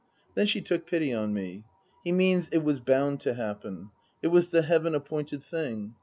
Then she took pity on me. " He means it was bound to happen. It was the heaven appointed thing.